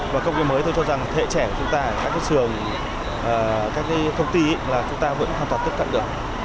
và công nghệ mới tôi cho rằng thế hệ trẻ của chúng ta ở các trường các công ty là chúng ta vẫn hoàn toàn tiếp cận được